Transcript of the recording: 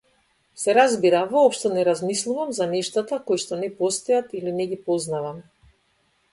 Се разбира, воопшто не размислувам за нештата коишто не постојат или не ги познавам.